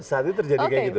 saat itu terjadi seperti itu